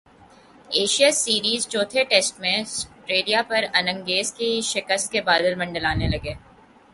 Ashes series چوتھے test میں Australia پر اننگز کی شکست کے بادل منڈلانے لگے